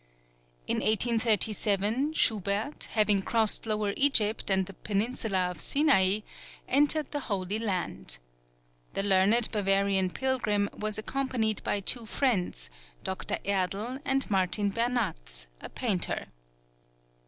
In 1837, Schubert, having crossed Lower Egypt and the peninsula of Sinai, entered the Holy Land. The learned Bavarian pilgrim was accompanied by two friends, Dr. Erdl and Martin Bernatz, a painter.